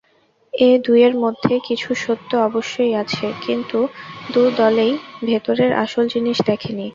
এ দুয়ের মধ্যে কিছু সত্য অবশ্যই আছে, কিন্তু দু-দলেই ভেতরের আসল জিনিষ দেখেনি।